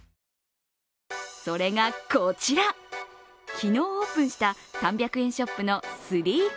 それがこちら、昨日オープンした３００円ショップの３ＣＯＩＮＳ。